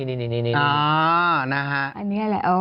อันนี้อะไร